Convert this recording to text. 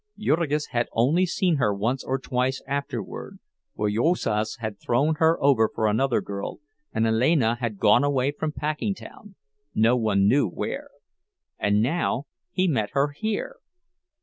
Jurgis had only seen her once or twice afterward, for Juozas had thrown her over for another girl, and Alena had gone away from Packingtown, no one knew where. And now he met her here!